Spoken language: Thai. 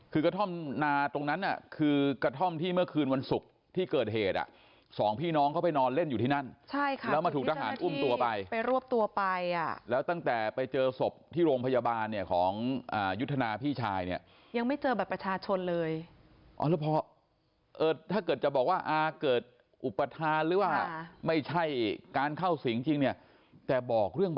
คือกระท่อมนาตรงนั้นน่ะคือกระท่อมที่เมื่อคืนวันศุกร์ที่เกิดเหตุอ่ะสองพี่น้องเขาไปนอนเล่นอยู่ที่นั่นใช่ค่ะแล้วมาถูกทหารอุ้มตัวไปไปรวบตัวไปอ่ะแล้วตั้งแต่ไปเจอศพที่โรงพยาบาลเนี่ยของยุทธนาพี่ชายเนี่ยยังไม่เจอบัตรประชาชนเลยอ๋อแล้วพอถ้าเกิดจะบอกว่าอาเกิดอุปทานหรือว่าไม่ใช่การเข้าสิงจริงเนี่ยแต่บอกเรื่อง